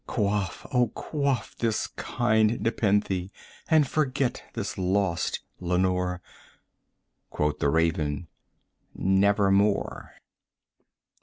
Quaff, oh quaff this kind nepenthe, and forget this lost Lenore!" Quoth the Raven, "Nevermore."